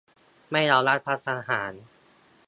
ไม่เอารัฐประหาร